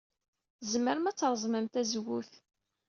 Tzemrem ad treẓmem tazewwut.